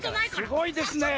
すごいですね。